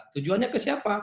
tujuannya ke siapa